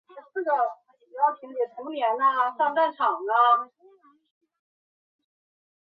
海马齿为番杏科海马齿属的植物。